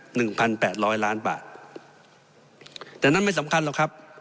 หนึ่งพันแปดร้อยล้านบาทแต่นั่นไม่สำคัญหรอกครับ